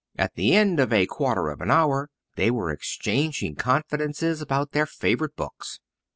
At the end of a quarter of an hour they were exchanging confidences about their favourite books.